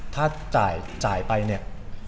ถ้าจ่ายไปเนี่ย